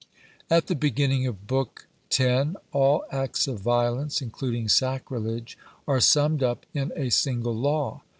At the beginning of Book x, all acts of violence, including sacrilege, are summed up in a single law.